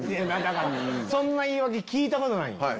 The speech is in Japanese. そんな言い訳聞いたことない。